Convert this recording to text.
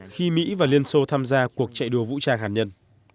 khi mỹ và liên xô tham gia cuộc chạy đua vũ trang hạt nhân